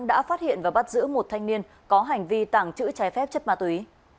đã phát hiện và bắt giữ một thanh niên có hành vi tàng trữ trái phép chất ma túy